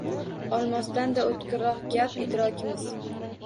Olmosdan-da oʼtkirroq gar idrokimiz